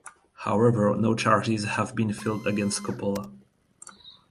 However, no charges have been filed against Coppola.